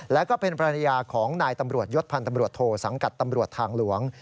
แล้วก็เป็นภรรยาของนายตำรวจยศพันธ์ตำรวจโทสังกัดตำรวจทางหลวง